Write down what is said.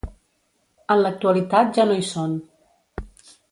En l'actualitat ja no hi són.